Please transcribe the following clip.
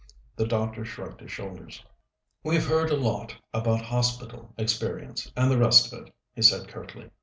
The doctor shrugged his shoulders. "We've heard a lot about 'hospital experience' and the rest of it," he said curtly.